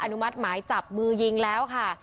นุมัติหมายจับมือยิงแล้วค่ะ